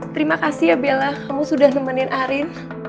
terima kasih ya bella kamu sudah nemenin arin